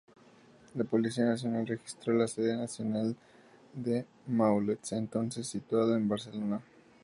La Policía Nacional registró la sede nacional de Maulets, entonces situada en Barcelona.